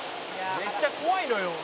「めっちゃ怖いのよ」